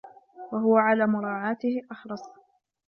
وَهُوَ عَلَى مُرَاعَاتِهِ أَحْرَصُ